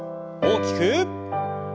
大きく。